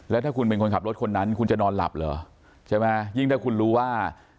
แล้วถ้าคุณเป็นคนขับรถคนนั้นคุณจะนอนหลับเหรอใช่ไหมยิ่งถ้าคุณรู้ว่า